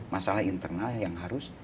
masalah internal yang harus